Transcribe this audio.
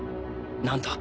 何だ？